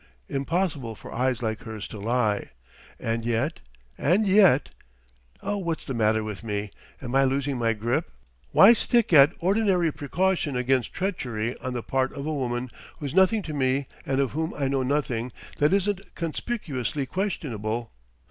Impossible for eyes like hers to lie!... And yet ... And yet!... Oh, what's the matter with me? Am I losing my grip? Why stick at ordinary precaution against treachery on the part of a woman who's nothing to me and of whom I know nothing that isn't conspicuously questionable?...